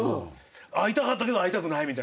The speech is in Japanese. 会いたかったけど会いたくないみたいな。